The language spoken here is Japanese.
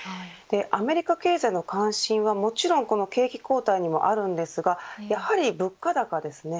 アメリカ経済の関心はもちろん景気後退にもありますがやはり物価高ですね。